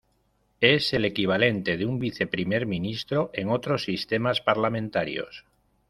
Es el equivalente de un viceprimer ministro en otros sistemas parlamentarios.